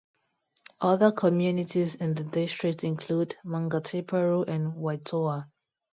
Other communities in the district include Mangateparu and Waitoa.